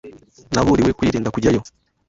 Naburiwe kwirinda kujyayo.